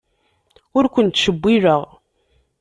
Ur ken-ttcewwileɣ.